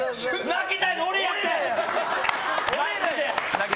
泣きたいの俺やって！